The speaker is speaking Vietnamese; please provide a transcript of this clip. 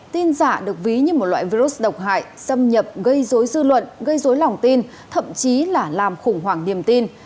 tin giả được ví như một loại virus độc hại xâm nhập gây dối dư luận gây dối lòng tin thậm chí là làm khủng hoảng niềm tin